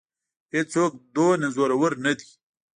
هېڅ څوک دومره زورور نه دی.